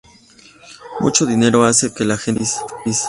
Mucho dinero hace que la gente sea feliz.